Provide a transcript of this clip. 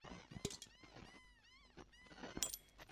担任北京师范大学化学学院副院长。